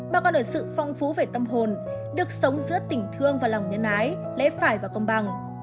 mà còn ở sự phong phú về tâm hồn được sống giữa tỉnh thương và lòng nhân ái lẽ phải và công bằng